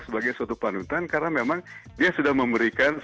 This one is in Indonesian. sebagai suatu panutan karena memang dia sudah memberikan suatu contoh ya